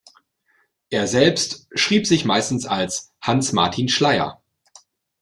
Er selbst schrieb sich meistens als "Hanns Martin Schleyer".